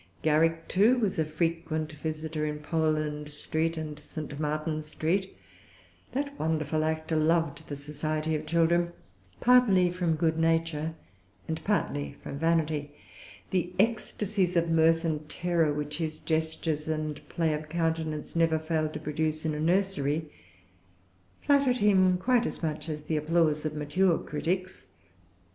Garrick, too, was a frequent visitor in Poland Street and St. Martin's Street. That wonderful actor loved the society of children, partly from good nature, and partly from vanity. The ecstasies of mirth and terror, which his gestures and play of countenance never failed to produce in a nursery, flattered him quite as much as the applause of mature critics.